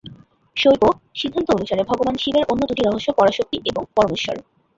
শৈব সিদ্ধান্ত অনুসারে ভগবান শিবের অন্য দুটি রহস্য পরাশক্তি এবং পরমেশ্বর।